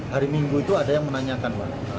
hari minggu itu ada yang menanyakan pak